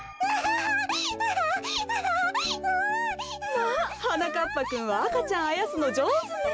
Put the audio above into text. まあはなかっぱくんは赤ちゃんあやすのじょうずね。